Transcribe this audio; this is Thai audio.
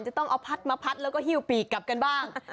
จะต้องเอาพัดมาพัดแล้วก็หิ้วปีกกลับกันบ้าง